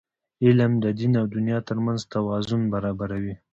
علم د دین او دنیا ترمنځ توازن برابروي.